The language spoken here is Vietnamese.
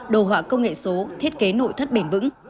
đồ họa công nghệ số thiết kế nội thất bền vững